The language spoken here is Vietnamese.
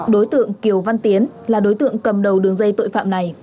đối tượng kiều văn tiến là đối tượng cầm đầu đường dây tội phạm này